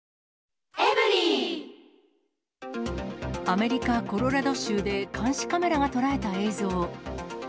アメリカ・コロラド州で、監視カメラが捉えた映像。